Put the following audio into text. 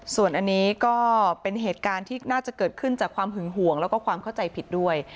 ส่วนอันนี้ก็เป็นเหตุการณ์ที่น่าจะเกิดขึ้นจากความหึงห่วงแล้วก็ความเข้าใจผิดด้วย